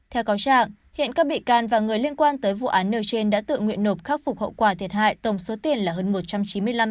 theo cáo trạng hiện các bị can và người liên quan tới vụ án nêu trên đã tự nguyện nộp khắc phục hậu quả thiệt hại tổng số tiền là hơn một trăm chín mươi năm tỷ đồng